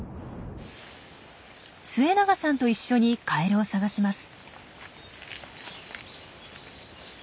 末永さんと一緒にカエルを探します。